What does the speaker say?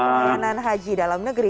direktur pemerintahan haji dalam negeri